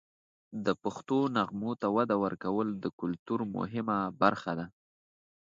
د پښتو نغمو ته وده ورکول د کلتور مهمه برخه ده.